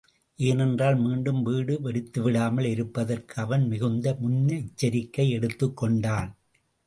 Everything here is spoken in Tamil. ஏனென்றால் மீண்டும் வீடு வெடித்துவிடாமல் இருப்பதற்கு அவன் மிகுந்த முன்னெச்சரிக்கை எடுத்துக்கொண்ட்ான்.